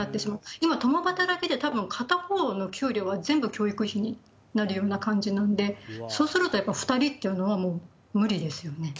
今、共働きでもたぶん片方の給料は全部教育費になるような感じなんで、そうすると、やっぱり２人っていうのはもう無理ですよね。